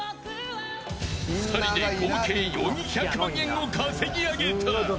２人で合計４００万円を稼ぎ上げた。